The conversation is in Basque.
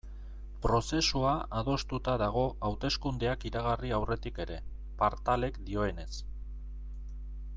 Prozesua adostuta dago hauteskundeak iragarri aurretik ere, Partalek dioenez.